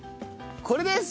これです！